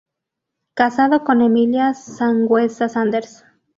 Casado con "Emilia Sanhueza Sanders".